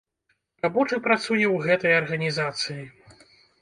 Рабочы працуе ў гэтай арганізацыі.